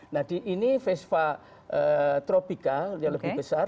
nah ini vespa tropika yang lebih besar